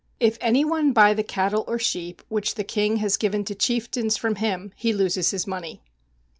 If any one buy the cattle or sheep which the king has given to chieftains from him he loses his money.